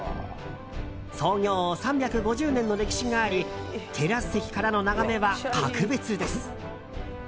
創業３５０年の歴史がありテラス席からの眺めは格別です。